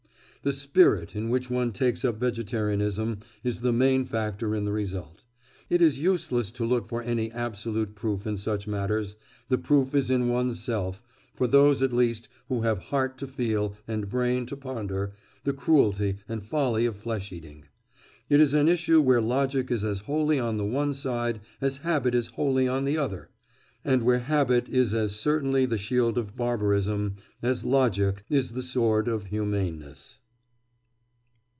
The spirit in which one takes up vegetarianism is the main factor in the result. It is useless to look for any absolute proof in such matters—the proof is in one's self—for those, at least, who have heart to feel, and brain to ponder, the cruelty and folly of flesh eating. It is an issue where logic is as wholly on the one side as habit is wholly on the other, and where habit is as certainly the shield of barbarism as logic is the sword of humaneness.